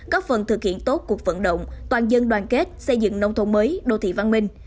góp phần thực hiện tốt cuộc vận động toàn dân đoàn kết xây dựng nông thôn mới đô thị văn minh